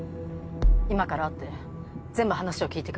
今から会って全部話を聞いて来る。